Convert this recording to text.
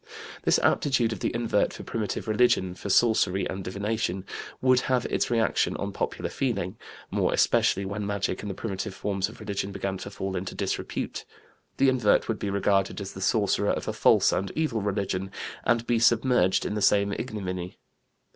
This aptitude of the invert for primitive religion, for sorcery and divination, would have its reaction on popular feeling, more especially when magic and the primitive forms of religion began to fall into disrepute. The invert would be regarded as the sorcerer of a false and evil religion and be submerged in the same ignominy.